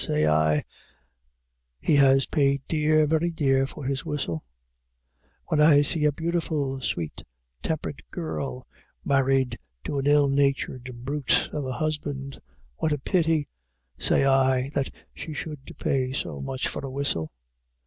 _ say I, he has paid dear, very dear, for his whistle. When I see a beautiful sweet tempered girl married to an ill natured brute of a husband, What a pity, say I, that she should pay so much for a whistle!